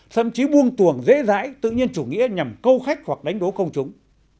thậm chí buông tuồng dễ dãi tự nhiên chủ nghĩa nhằm câu khách hoặc đánh đố công chúng